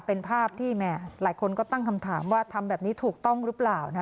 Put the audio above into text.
เป็นภาพที่แห่หลายคนก็ตั้งคำถามว่าทำแบบนี้ถูกต้องหรือเปล่านะ